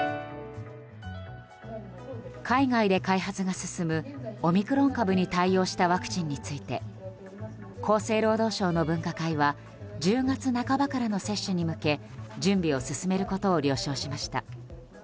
海外で開発が進むオミクロン株に対応したワクチンについて厚生労働省の分科会は１０月半ばからの接種に向け準備を進めることを了承しました。